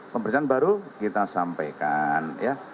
pemeriksaan baru kita sampaikan ya